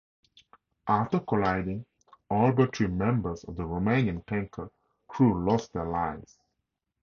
After colliding, all but three members of the Romanian tanker crew lost their lives.